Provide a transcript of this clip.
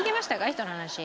人の話。